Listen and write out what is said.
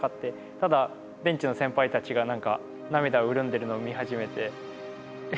ただベンチの先輩たちが何か涙潤んでるのを見始めて。